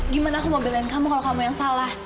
gimana aku mau pilihanku kalau kamu yang salah